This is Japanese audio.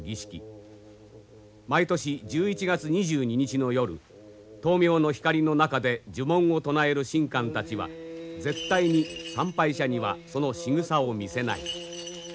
毎年１１月２２日の夜灯明の光の中で呪文を唱える神官たちは絶対に参拝者にはそのしぐさを見せない。